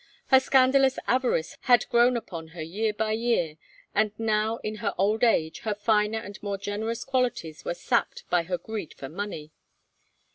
Her scandalous avarice had grown upon her year by year, and now in her old age her finer and more generous qualities were sapped by her greed for money.